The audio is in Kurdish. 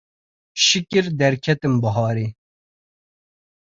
Şikir derketim biharê